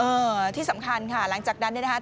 เออที่สำคัญค่ะหลังจากนั้นนะครับ